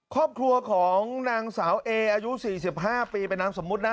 ครอบครัวของนางสาวเออายุ๔๕ปีเป็นนามสมมุตินะ